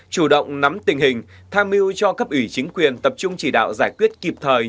chủ động nắm tình hình tham mưu cho cấp ủy chính quyền tập trung chỉ đạo giải quyết kịp thời